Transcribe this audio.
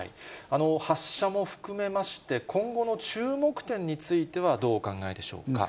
発射も含めまして、今後の注目点については、どうお考えでしょうか。